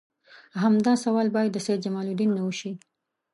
همدا سوال باید د سید جمال الدین نه وشي.